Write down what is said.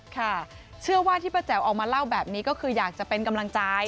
ค่ะเชื่อว่าที่ป้าแจ๋วออกมาเล่าแบบนี้ก็คืออยากจะเป็นกำลังใจ